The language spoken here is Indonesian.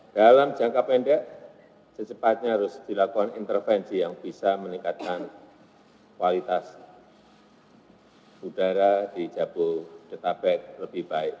dalam jangka pendek secepatnya harus dilakukan intervensi yang bisa meningkatkan kualitas udara di jabodetabek lebih baik